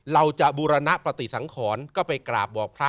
บูรณปฏิสังขรก็ไปกราบบอกพระ